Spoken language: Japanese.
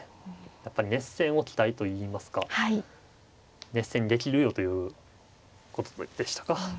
やっぱり熱戦を期待といいますか熱戦にできるよということでしたか。